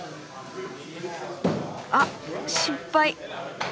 あっ失敗。